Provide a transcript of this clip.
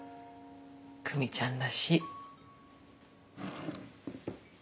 久美ちゃんらしい。